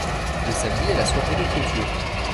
Le samedi est la soirée de clôture.